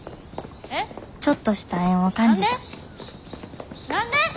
ちょっとした縁を感じた何で！？